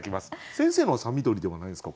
先生のはさ緑ではないんですか？